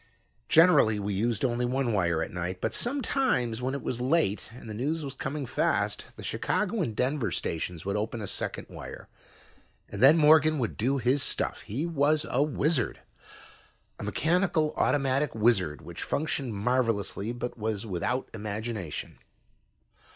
Generally, we used only one wire at night, but sometimes, when it was late and the news was coming fast, the Chicago and Denver stations would open a second wire, and then Morgan would do his stuff. He was a wizard, a mechanical automatic wizard which functioned marvelously but was without imagination.